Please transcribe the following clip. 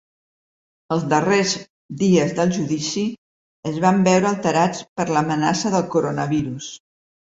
Els darrers dies del judici es van veure alterats per l’amenaça del coronavirus.